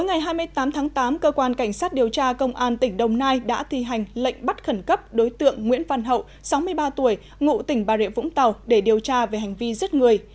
ngày hai mươi tám tháng tám cơ quan cảnh sát điều tra công an tỉnh đồng nai đã thi hành lệnh bắt khẩn cấp đối tượng nguyễn văn hậu sáu mươi ba tuổi ngụ tỉnh bà rịa vũng tàu để điều tra về hành vi giết người